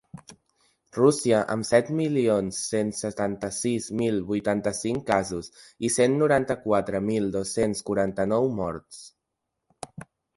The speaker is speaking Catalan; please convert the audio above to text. Rússia, amb set milions cent setanta-sis mil vuitanta-cinc casos i cent noranta-quatre mil dos-cents quaranta-nou morts.